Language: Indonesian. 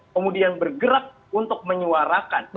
kemudian bergerak untuk menyuarakan